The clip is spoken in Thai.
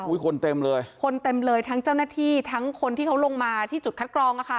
คนเต็มเลยคนเต็มเลยทั้งเจ้าหน้าที่ทั้งคนที่เขาลงมาที่จุดคัดกรองอะค่ะ